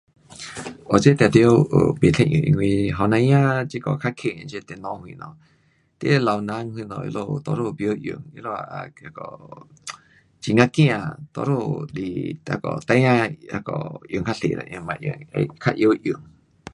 哦这定得有不一样，因为年轻儿这个较棒这电脑什么，你那老人什么多数甭晓用，他们也那个 um 很呀怕，多数是那个孩儿那个用较多啦，会 um 较会晓用。